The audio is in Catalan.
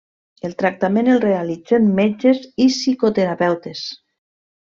El tractament el realitzen metges i psicoterapeutes.